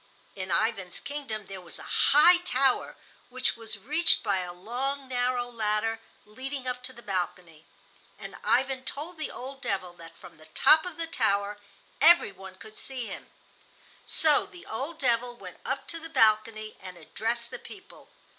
In Ivan's kingdom there was a high tower, which was reached by a long, narrow ladder leading up to the balcony, and Ivan told the old devil that from the top of the tower every one could see him. So the old devil went up to the balcony and addressed the people.